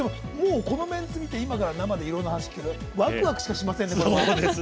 このメンツ見て、もう今生でいろんな話聞けるわくわくしかしませんね。